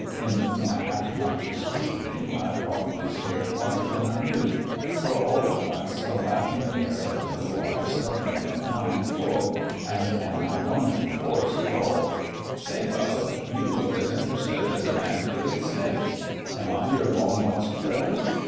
In my half conscious scrutiny I probably stared harder than I knew, for all at once a laughing pair of the blue eyes suddenly met mine full, and an ironical voice drawled, "Say, bub, you look as interested as a man killing snakes. Am I your long lost friend?"